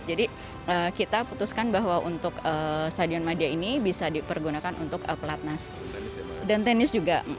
jadi kita putuskan bahwa untuk stadion madia ini bisa dipergunakan untuk pelatnas dan tenis juga